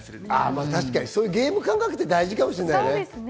確かにそういうゲーム感覚って大切かもしれないね。